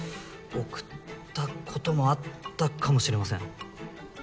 贈ったこともあったかもしれません。